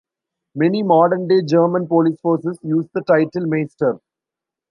Many modern day German police forces use the title Meister.